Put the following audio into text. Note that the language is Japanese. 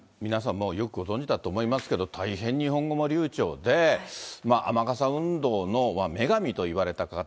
もうよくご存じだと思いますけれども、大変日本語も流ちょうで、雨傘運動の女神と言われた方。